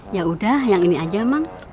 yaudah yang ini aja mang